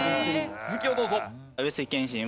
続きをどうぞ。